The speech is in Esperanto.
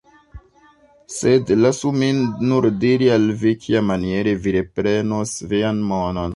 Sed lasu min nur diri al vi, kiamaniere vi reprenos vian monon.